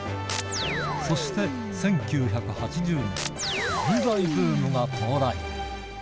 そして１９８０年、漫才ブームが到来。